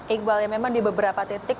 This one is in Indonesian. iqbal yang memang di beberapa titik